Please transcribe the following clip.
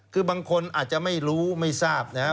คือบางคนอาจจะไม่รู้ไม่ทราบนะครับ